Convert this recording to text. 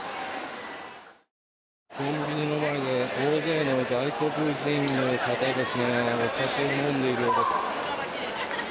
コンビニの前で大勢の外国人の方がお酒を飲んでいるようです。